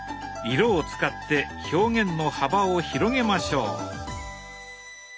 色を使って表現の幅を広げましょう。